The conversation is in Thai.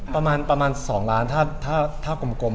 ประมาณ๒ล้านถ้ากลม